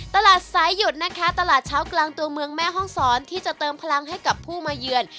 ตลาดสายหยุดนะคะตลาดเช้ากลางตัวเมืองแม่ห้องศรที่จะเติมพลังให้กับผู้มาเยือน